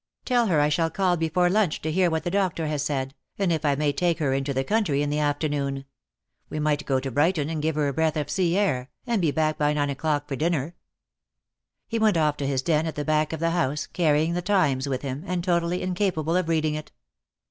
"Tell her I shall call before lunch to hear what the doctor has said, and if I may take her into the country in the afternoon. We might go to Brighton, and give her a breath of sea air, and be back by nine o'clock for dinner." He went off to his den at the back of the house, carrying the Times with him, and totally incapable of reading it.